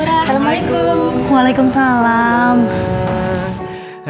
assalamualaikum bu nurah